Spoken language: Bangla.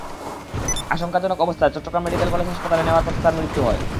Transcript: আশঙ্কাজনক অবস্থায় চট্টগ্রাম মেডিকেল কলেজ হাসপাতালে নেওয়ার পথে তার মৃত্যু হয়।